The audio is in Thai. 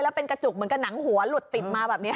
แล้วเป็นกระจุกเหมือนกับหนังหัวหลุดติดมาแบบนี้